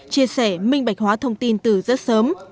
chia sẻ minh bạch hóa thông tin từ rất sớm